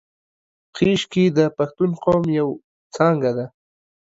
خیشکي د پښتون قوم یو څانګه ده